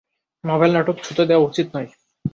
নভেল-নাটক ছুঁতে দেওয়া উচিত নয়।